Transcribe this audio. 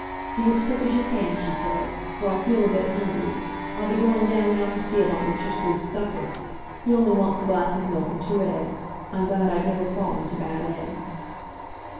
"Be as quick as you can," she said, "for I feel a bit hungry. I'll be going down now to see about Mr. Sleuth's supper. He only wants a glass of milk and two eggs. I'm glad I've never fallen to bad eggs!"